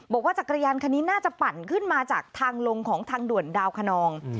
จักรยานคันนี้น่าจะปั่นขึ้นมาจากทางลงของทางด่วนดาวคนอง